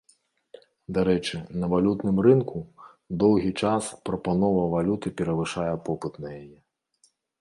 Дарэчы, на валютным рынку доўгі час прапанова валюты перавышае попыт на яе.